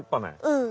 うん。